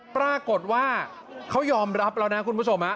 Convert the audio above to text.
ปรากฏว่าเขายอมรับแล้วนะคุณผู้ชม